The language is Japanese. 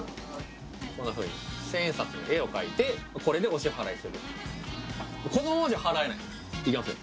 こんなふうに千円札の絵を描いてこれでお支払いするこのままじゃ払えないいきますよ